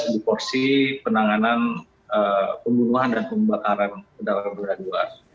saya akan mencari penanganan pembunuhan dan pembataran dalam keberadaan dua